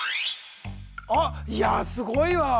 あっいやあすごいわ！